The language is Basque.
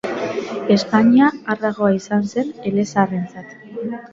Espainia arragoa izan zen elezaharrentzat.